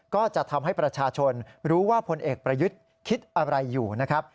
ก็จะทำให้ประชาชนรู้ว่าพลเอกประยุทธ์คิดอะไรอยู่นะครับ